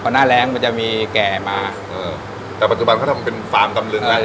หน้าแรงมันจะมีแก่มาเออแต่ปัจจุบันเขาทำเป็นฟาร์มตำลึงแล้ว